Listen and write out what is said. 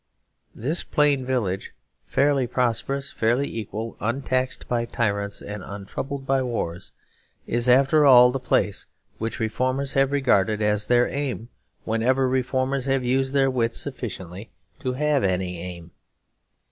This plain village, fairly prosperous, fairly equal, untaxed by tyrants and untroubled by wars, is after all the place which reformers have regarded as their aim; whenever reformers have used their wits sufficiently to have any aim.